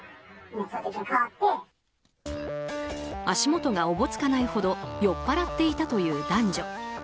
足元がおぼつかないほど酔っぱらっていたという男女。